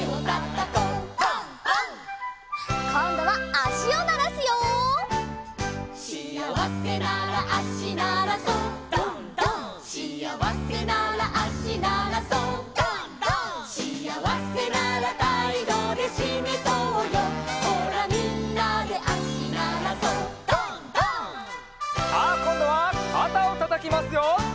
「」さあこんどはかたをたたきますよ。